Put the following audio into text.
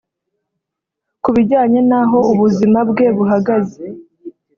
ku bijyanye n’aho ubuzima bwe buhagaze